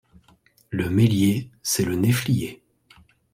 Le mélier, c’est le néflier.